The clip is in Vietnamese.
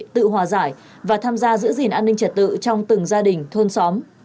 tự hòa giải và tham gia giữ gìn an ninh trật tự trong từng gia đình thôn xóm